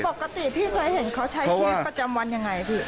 ปกติพี่เคยเห็นเขาใช้ชีวิตประจำวันยังไงพี่